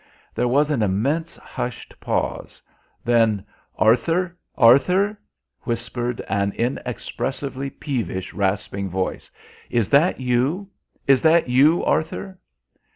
There was an immense hushed pause. Then, "Arthur, Arthur," whispered an inexpressively peevish, rasping voice, "is that you? Is that you, Arthur?"